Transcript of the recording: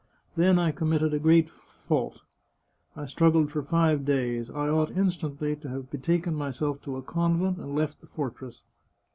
Then I committed a great fault. I struggled for five days ; I ought instantly to have betaken myself to a convent, and left the fortress.